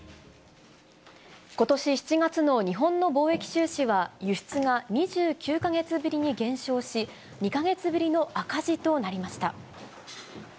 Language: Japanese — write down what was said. ことし７月の日本の貿易収支は、輸出が２９か月ぶりに減少し、２か月ぶりの赤字となりました。